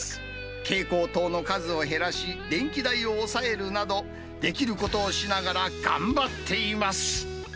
蛍光灯の数を減らし、電気代を抑えるなど、できることをしながら頑張っています。